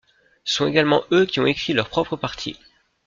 Ce sont également eux qui ont écrit leur propre partie.